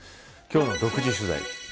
今日の独自取材。